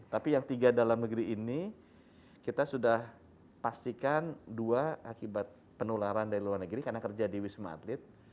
tapi yang tiga dalam negeri ini kita sudah pastikan dua akibat penularan dari luar negeri karena kerja di wisma atlet